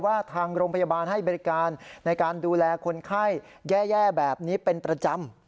ทางโรงพยาบาลให้บริการในการดูแลคนไข้แย่แบบนี้เป็นประจำ